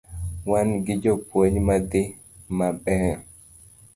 Wan gi jopuonj madhi mabeyo